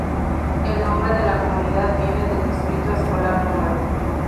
El nombre de la comunidad viene del Distrito Escolar No.